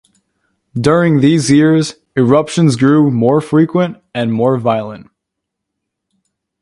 During these years, the eruptions grew more frequent and more violent.